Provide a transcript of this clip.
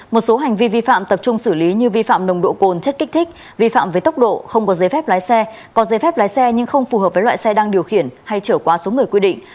một số hành vi vi phạm tập trung xử lý như vi phạm nồng độ cồn chất kích thích vi phạm với tốc độ không có giấy phép lái xe có giấy phép lái xe nhưng không phù hợp với loại xe đang điều khiển hay trở qua số người quy định